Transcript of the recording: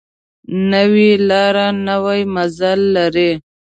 نوې لاره نوی منزل لري